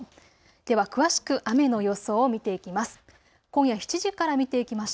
では詳しく雨の予想を見ていきます。